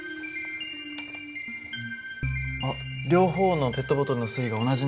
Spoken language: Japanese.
あっ両方のペットボトルの水位が同じになった。